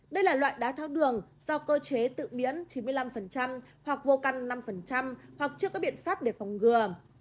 đây là loại đai thác đường do cơ chế tự miễn chín mươi năm hoặc vô căn năm hoặc chưa có biện pháp để phòng ngừa